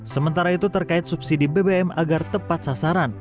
sementara itu terkait subsidi bbm agar tepat sasaran